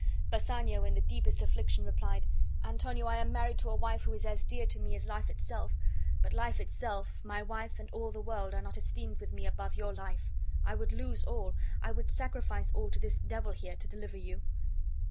Bassanio in the deepest affliction replied: "Antonio, I am married to a wife who is as dear to me as life itself; but life itself, my wife, and all the world are not esteemed with me above your life. I would lose all, I would sacrifice all to this devil here, to deliver you."